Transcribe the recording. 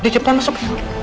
di jepang masuk